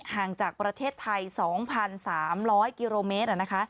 ห่างจากประเทศไทย๒๓๐๐กิโลเมตร